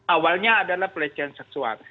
awalnya adalah pelecehan seksual